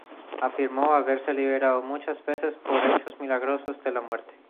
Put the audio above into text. Afirmó haberse librado muchas veces por hechos milagrosos de la muerte.